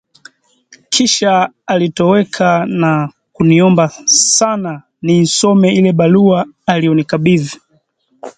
Kisha, alitoweka na kuniomba sana niisome ile barua aliyonikabidhi